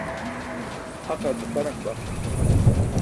Haqar nuparan baxt.